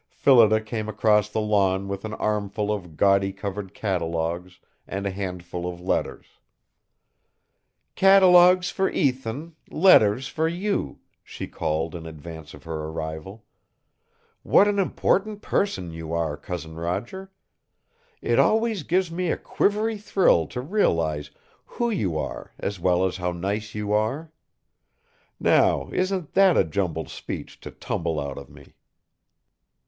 Phillida came across the lawn with an armful of gaudy covered catalogues and a handful of letters. "Catalogues for Ethan; letters for you," she called in advance of her arrival. "What an important person you are, Cousin Roger! It always gives me a quivery thrill to realize who you are as well as how nice you are. Now, isn't that a jumbled speech to tumble out of me?"